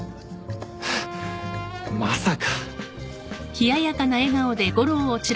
まさか。